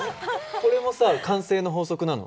これもさ慣性の法則なの？